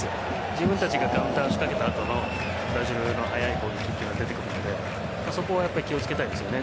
自分たちがカウンターしかけた後のブラジルの速い攻撃やはり出てくるんでそこは気を付けたいですね。